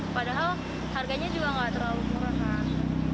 padahal harganya juga nggak terlalu murah kan